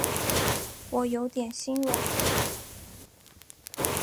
我有点心软